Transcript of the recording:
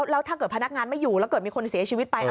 แล้วถ้าเกิดพนักงานไม่อยู่แล้วเกิดมีคนเสียชีวิตไป